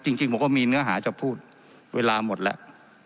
จริงผมก็มีเนื้อหาจะพูดเวลาหมดแล้ว